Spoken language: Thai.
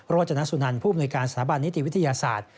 จนสุนันผู้อำนวยการสถาบันนิติวิทยาศาสตร์